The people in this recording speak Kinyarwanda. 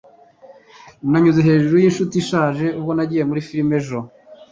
Nanyuze hejuru yinshuti ishaje ubwo nagiye muri firime ejo.